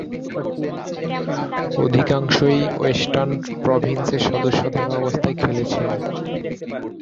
অধিকাংশই ওয়েস্টার্ন প্রভিন্সের সদস্য থাকা অবস্থায় খেলেছেন।